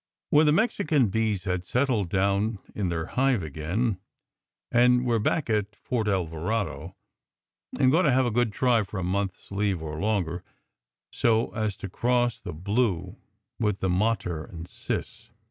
"When the Mexican bees have settled down in their hive again, and we re back at Fort Alvarado, I m going to have a good try for a month s leave or longer, so as to cross the blue with the mater and sis.